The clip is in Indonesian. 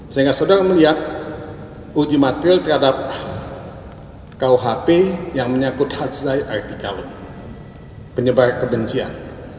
sehingga saudara melihat uji material terhadap kuhp yang menyangkut hadzah etikal penyebar kebencian